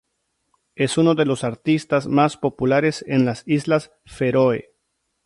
Es uno de los artistas más populares en las Islas Feroe.